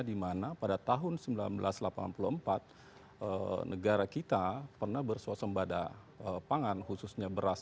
dimana pada tahun seribu sembilan ratus delapan puluh empat negara kita pernah bersuasembada pangan khususnya beras